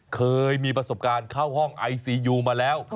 เคยมีประสบการณ์เข้าห้องไอซียูมาแล้ว